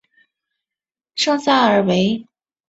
圣萨尔维。